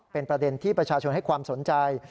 เป็นประเด็นที่ประชาชนให้ความสนใจ